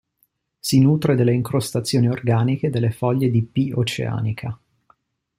Si nutre delle incrostazioni organiche delle foglie di "P. oceanica".